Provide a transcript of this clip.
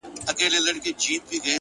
اراده د نامعلومو لارو رهنما کېږي